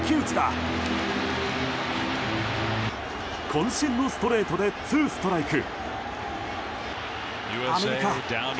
渾身のストレートでツーストライク。